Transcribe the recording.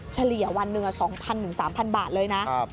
เฉลี่ยวันหนึ่ง๒๐๐๓๐๐บาทเลยนะ